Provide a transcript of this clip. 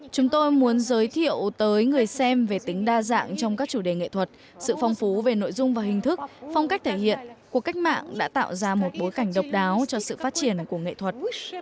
chúng tôi muốn giới thiệu tới người xem về tính đa dạng trong các chủ đề nghệ thuật sự phong phú về nội dung và hình thức phong cách thể hiện cuộc cách mạng đã tạo ra một bối cảnh độc đáo cho sự phát triển của nghệ thuật